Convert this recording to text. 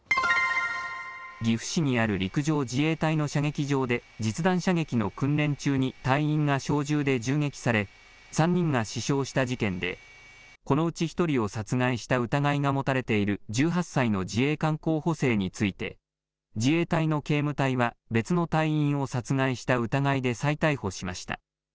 岐阜市にある陸上自衛隊の射撃場で実弾射撃の訓練中に隊員が小銃で銃撃され３人が死傷した事件でこのうち１人を殺害した疑いが持たれている１８歳の自衛官候補生について自衛隊の警務隊は別の隊員を殺害した疑いで再逮捕しました。